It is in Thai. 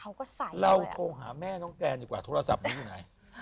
เอาอย่างนี้เราโทรหาแม่น้องแกลนอยู่กว่าโทรศัพท์นี้อยู่ไหน